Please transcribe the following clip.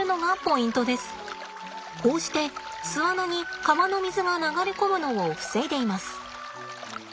こうして巣穴に川の水が流れ込むのを防いでいます。